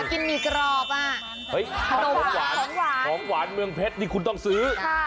อยากกินมีกรอบอ่ะของหวานเมืองเพชรที่คุณต้องซื้อ